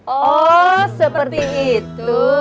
oh seperti itu